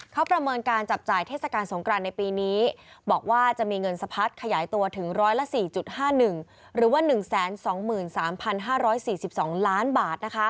เขาประเมินการจับจ่ายเทศกาลสงครานในปีนี้บอกว่าจะมีเงินสะพัดขยายตัวถึง๑๐๔๕๑หรือว่า๑๒๓๕๔๒ล้านบาท